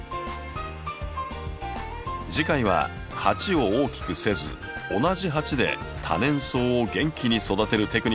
次回は鉢を大きくせず同じ鉢で多年草を元気に育てるテクニックをお伝えします。